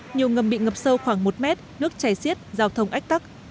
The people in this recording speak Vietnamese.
nhiều ngầm bị ngập sâu khoảng một mét nước chảy xiết giao thông ách tắc